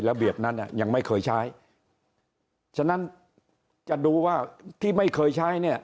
ระเบียบนั้นอ่ะยังไม่เคยใช้ฉะนั้นจะดูว่าที่ไม่เคยใช้เนี่ย